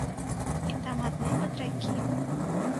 І там адны батракі.